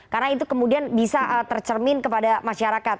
karena itu kemudian bisa tercermin kepada masyarakat